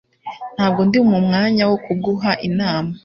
Ntabwo ndi mu mwanya wo kuguha inama